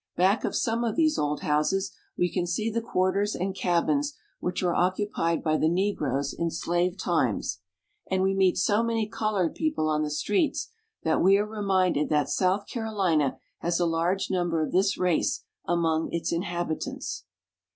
Back of some of these old houses we can see the quarters and cabins which were occupied by the negroes in slave times ; and we meet so many colored people on the streets that we are reminded that South Carolina has a large number of this race among its inhabitants.